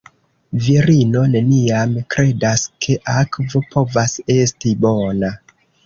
Virino neniam kredas, ke akvo povas esti bona.